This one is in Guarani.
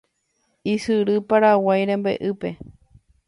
ysyry Paraguay rembe'ýpe